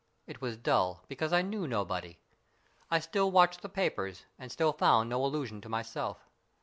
It was dull, because I knew nobody. I still watched the papers, and still found no allusion to myself.